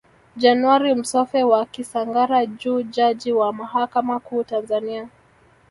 Januari Msofe wa Kisangara Juu Jaji wa mahakama kuu Tanzania